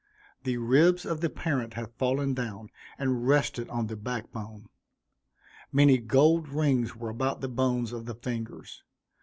The ribs of the parent had fallen down, and rested on the back bone. Many gold rings were about the bones of the fingers.